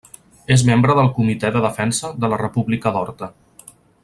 És membre del Comitè de Defensa de la República d'Horta.